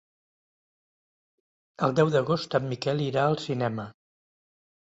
El deu d'agost en Miquel irà al cinema.